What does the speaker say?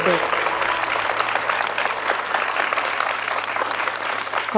ขอบคุณครับ